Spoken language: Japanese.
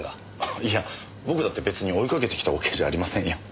いや僕だって別に追いかけてきたわけじゃありませんよ。